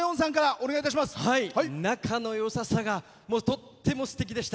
仲のよさがとってもすてきでした。